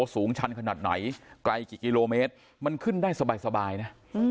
สูงชันขนาดไหนไกลกี่กิโลเมตรมันขึ้นได้สบายนะ